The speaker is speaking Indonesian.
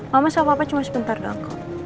mama sama papa cuma sebentar doang kok